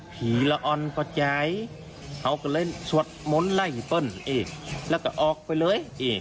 ผีละอ่อนกว่าใจเขาก็เล่นสวดม้นไล่เอ๊ะแล้วก็ออกไปเลยเอ๊ะ